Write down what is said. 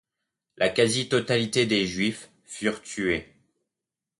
La quasi-totalité des juifs furent tués.